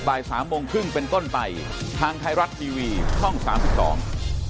บ่ายสามโมงครึ่งเป็นต้นไปทางไทยรัฐทีวีช่องสามสิบสอง